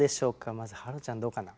まずはろちゃんどうかな？